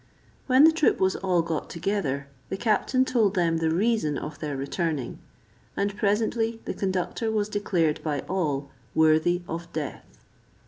When the troop was all got together, the captain told them the reason of their returning; and presently the conductor was declared by all worthy of death.